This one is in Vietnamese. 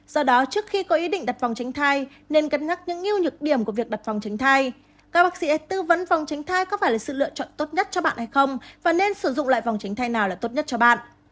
các bác sĩ hãy tư vấn vòng tránh thai có phải là sự lựa chọn tốt nhất cho bạn hay không và nên sử dụng lại vòng tránh thai nào là tốt nhất cho bạn